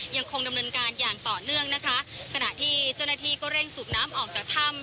ยังคงดำเนินการอย่างต่อเนื่องนะคะขณะที่เจ้าหน้าที่ก็เร่งสูบน้ำออกจากถ้ำ